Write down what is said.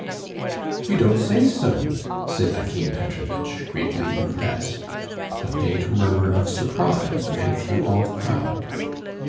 "You don't say so!" said Akim Petrovitch, greatly impressed. A faint murmur of surprise ran through all the crowd.